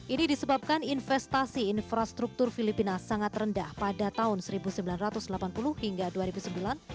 ini disebabkan investasi infrastruktur filipina sangat rendah pada tahun seribu sembilan ratus delapan puluh hingga dua ribu sembilan